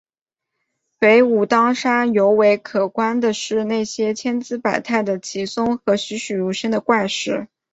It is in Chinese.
北武当山尤为可观的是那些千姿百态的奇松和栩栩如生的怪石。